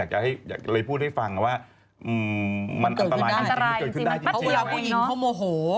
อันตรายจริงปัดเวลาผู้หญิงเค้าโมโห